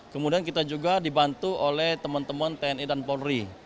kemudian kita juga dibantu oleh teman teman tni dan polri